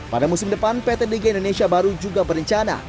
pada musim depan pt dg indonesia baru juga berencana